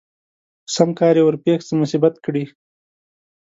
په سم کار کې يې ورپېښ څه مصيبت کړي